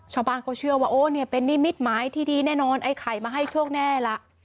ชาวบ้านก็เชื่อว่าเป็นนี่มิตรไม้ที่ดีแน่นอนไอ้ไข่มาให้โชคแน่ละ